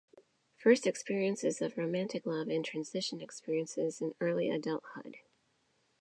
First experiences of romantic love and transition experiences in early adulthood.